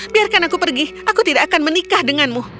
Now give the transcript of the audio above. biarkan aku pergi aku tidak akan menikah denganmu